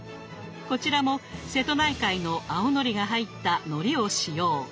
こちらも瀬戸内海の青のりが入ったのりを使用。